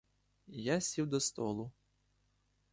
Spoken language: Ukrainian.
Я сів до столу.